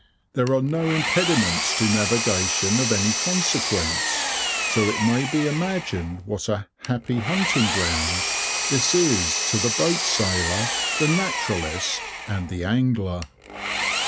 There are no impediments to navigation of any consequence, so it may be imagined what a "happy hunting ground" this is to the boat sailor, the naturalist, and the angler.